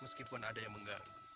meskipun ada yang mengganggu